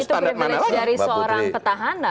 itu privilege nya dari seorang petahana